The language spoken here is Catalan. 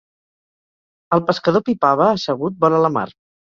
El pescador pipava assegut vora la mar.